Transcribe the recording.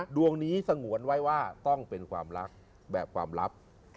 ดวงนี้สงวนไว้ว่าต้องเป็นความรักแบบความลับ